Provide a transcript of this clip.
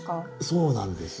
そうなんです。